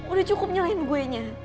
udah cukup nyalain gue nya